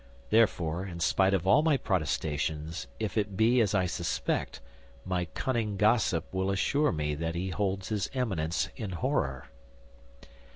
Therefore, in spite of all my protestations, if it be as I suspect, my cunning gossip will assure me that he holds his Eminence in horror."